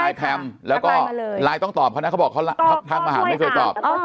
นายแพมแล้วก็ไลน์ต้องตอบเพราะฉะนั้นเขาบอกทางมหาวไม่เคยตอบ